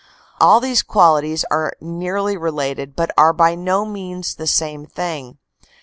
All these qualities are nearly related but are by no means the same thing.